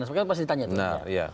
sebenarnya pasti ditanya itu